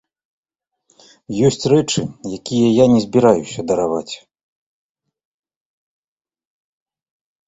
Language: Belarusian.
Ёсць рэчы, якія я не збіраюся дараваць.